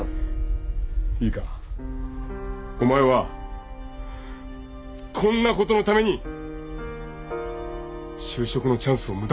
いいかお前はこんなことのために就職のチャンスを無駄にしたんだ。